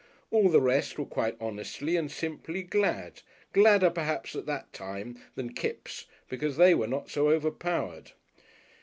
All the rest were quite honestly and simply glad gladder perhaps at that time than Kipps because they were not so overpowered....